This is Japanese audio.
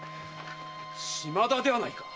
島田ではないか！